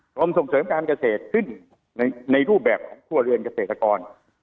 กรมส่งเสริมการเกษตรขึ้นในรูปแบบของครัวเรือนเกษตรกร